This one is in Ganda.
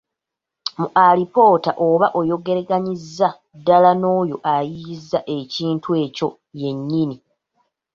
Mu alipoota oba oyogeraganyiza ddala n’oyo ayiiyizza ekintu ekyo yennyini.